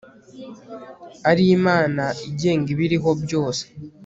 ari imana igenga ibiriho byose